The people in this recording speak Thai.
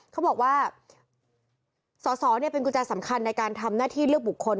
เขาบอกว่าสอสอเป็นกุญแจสำคัญในการทำหน้าที่เลือกบุคคล